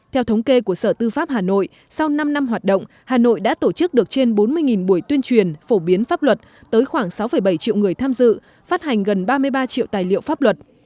theo thống kê của sở tư pháp hà nội sau năm năm hoạt động hà nội đã tổ chức được trên bốn mươi buổi tuyên truyền phổ biến pháp luật tới khoảng sáu bảy triệu người tham dự phát hành gần ba mươi ba triệu tài liệu pháp luật